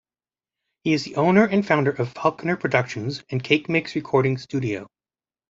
He is the owner and founder of Faulconer Productions, and CakeMix Recording studio.